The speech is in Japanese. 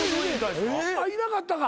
あっいなかったか。